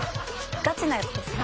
ガチなやつですか？